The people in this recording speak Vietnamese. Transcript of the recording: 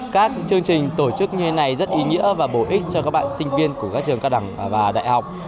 các chương trình tổ chức như thế này rất ý nghĩa và bổ ích cho các bạn sinh viên của các trường cao đẳng và đại học